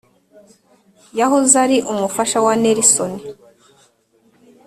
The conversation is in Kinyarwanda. yahoze ari umufasha wa Nelson